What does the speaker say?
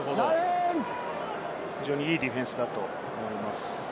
非常にいいディフェンスだと思います。